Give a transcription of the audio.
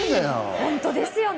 本当ですよね。